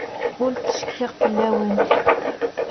Ur ttcetkiɣ fell-awent.